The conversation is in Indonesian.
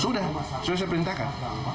sudah sudah saya perintahkan